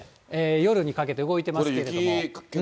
夜にかけて動いてますけれども。